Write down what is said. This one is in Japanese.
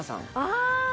ああ！